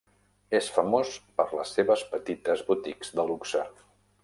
És famós per les seves petites boutiques de luxe.